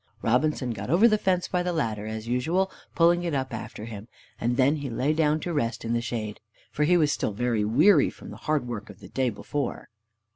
Robinson got over the fence by the ladder, as usual, pulling it up after him, and then he lay down to rest in the shade, for he was still very weary from the hard work of the day before.